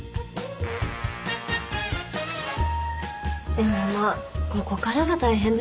でもまあここからが大変ですよね。